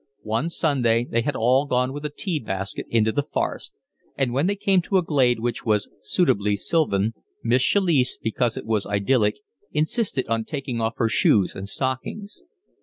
One Sunday they had all gone with a tea basket into the forest, and when they came to a glade which was suitably sylvan, Miss Chalice, because it was idyllic, insisted on taking off her shoes and stockings.